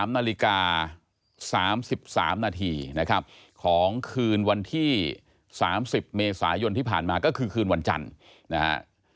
๓นาฬิกา๓๓นาทีนะครับของคืนวันที่๓๐เมษายนที่ผ่านมาก็คือคืนวันจันทร์นะฮะ